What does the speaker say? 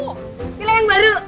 vila yang baru